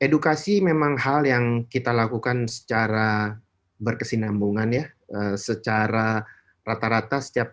ya edukasi memang hal yang kita lakukan secara berkesinambungan ya secara berkaitan dengan kemampuan